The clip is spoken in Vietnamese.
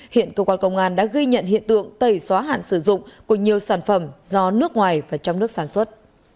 hiện cơ quan công an đã ghi nhận hiện tượng tẩy xóa hạn sử dụng của nhiều sản phẩm do nước ngoài và trong nước sản xuất